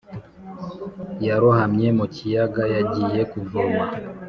Yarohamye mu kiyaga yagiye kuvoma